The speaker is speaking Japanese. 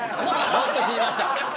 もっと死にました。